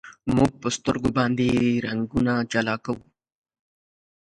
موږ په سترګو باندې رنګونه جلا کوو.